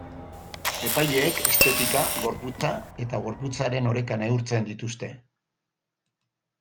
Epaileek estetika, gorputza eta gorputzaren oreka neurtzen dituzte.